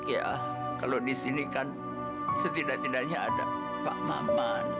iya kalau disini kan setidak tidaknya ada pak maman